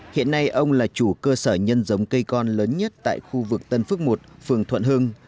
hiện nay ông là chủ cơ sở nhân giống cây con lớn nhất tại khu vực tân phước một phường thuận hưng